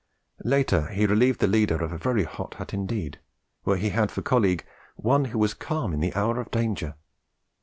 Later, he relieved the leader of a very hot hut indeed, where he had for colleague 'one who was calm in the hour of danger.'